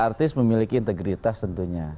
artis memiliki integritas tentunya